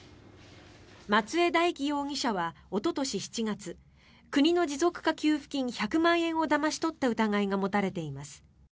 松江大樹容疑者はおととし７月国の持続化給付金１００万円をだまし取った疑いが持たれています。